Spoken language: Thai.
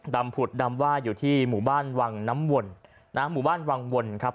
ผุดดำว่าอยู่ที่หมู่บ้านวังน้ำวนนะฮะหมู่บ้านวังวนครับ